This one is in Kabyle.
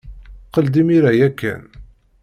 Qqel-d imir-a ya kan.